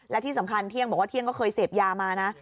และที่สำคัญเที่ยงบอกว่าเที่ยงก็เคยเสพยามานะ